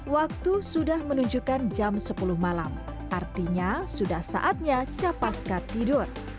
waktu sudah menunjukkan jam sepuluh malam artinya sudah saatnya capaska tidur